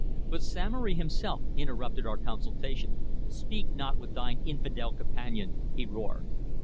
But Samory himself interrupted our consultation. "Speak not with thine infidel companion," he roared.